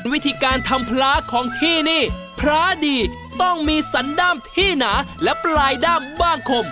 วิธีการทำพระของที่นี่พระดีต้องมีสันด้ามที่หนาและปลายด้ามบ้างคม